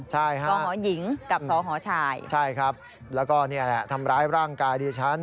ใช่ครับสหหญิงกับสหชายใช่ครับแล้วก็ทำร้ายร่างกายดิฉัน